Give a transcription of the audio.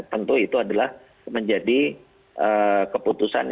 tentu itu adalah menjadi keputusan